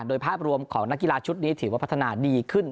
โดยภาพรวมของนักกีฬาชุดนี้ถือว่าพัฒนาดีขึ้น